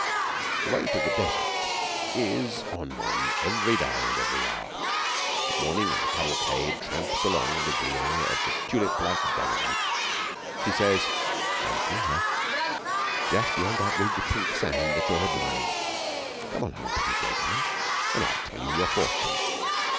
The weight of the Desert is on one, every day and every hour. At morning, when the cavalcade tramps along in the rear of the tulip like dragoman, She says: 'I am here just beyond that ridge of pink sand that you are admiring. Come along, pretty gentleman, and I'll tell you your fortune.'